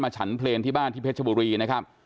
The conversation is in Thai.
ฉันเพลงที่บ้านที่เพชรบุรีนะครับ